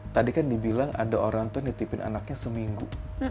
tadi kan dibilang ada orang tua nitipin anaknya seminggu